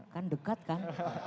kan dekat kan